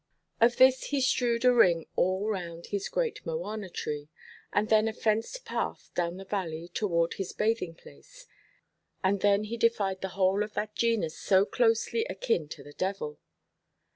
Of this he strewed a ring all round his great mowana–tree, and then a fenced path down the valley toward his bathing–place, and then he defied the whole of that genus so closely akin to the devil.